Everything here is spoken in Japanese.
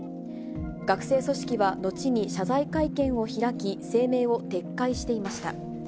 学生組織は後に謝罪会見を開き、声明を撤回していました。